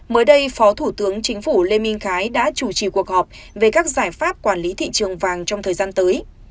mới đây phó thủ tướng chính phủ lê minh khái đã chủ trì cuộc họp về các giải pháp quản lý thị trường vàng trong thời gian tới